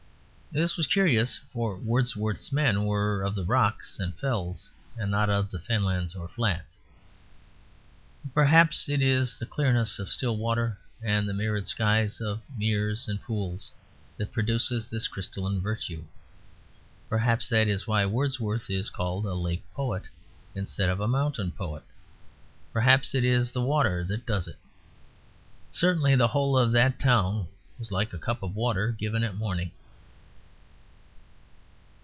This was curious; for Wordsworth's men were of the rocks and fells, and not of the fenlands or flats. But perhaps it is the clearness of still water and the mirrored skies of meres and pools that produces this crystalline virtue. Perhaps that is why Wordsworth is called a Lake Poet instead of a mountain poet. Perhaps it is the water that does it. Certainly the whole of that town was like a cup of water given at morning.